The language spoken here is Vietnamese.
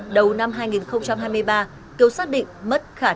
đầu năm hai nghìn hai mươi ba kiều xác định mất khả năng